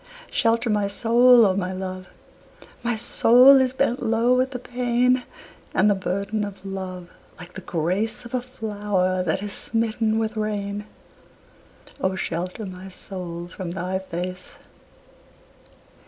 Shelter my soul, O my love! My soul is bent low with the pain And the burden of love, like the grace Of a flower that is smitten with rain: O shelter my soul from thy face!